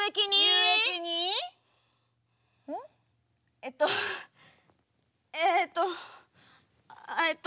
えっとえっとえっと。